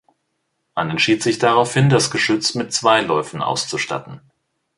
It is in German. Man entschied sich daraufhin, das Geschütz mit zwei Läufen auszustatten.